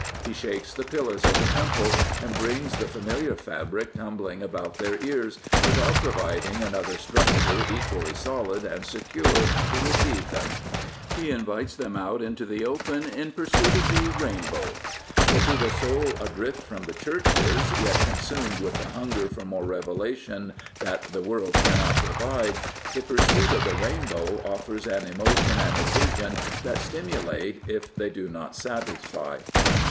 He shakes the pillars of the temple and brings the familiar fabric tumbling about their ears, without providing another stucture equally solid and secure to receive them. He invites them out into the open in pursuit of the rainbow. But to the soul adrift from the churches, yet consumed with the hunger for some revelation that the world cannot provide, the pursuit of the rainbow offers an emotion and a vision that stimulate if they do not satisfy.